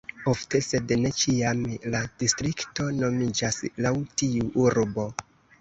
Ofte, sed ne ĉiam, la distrikto nomiĝas laŭ tiu urbo.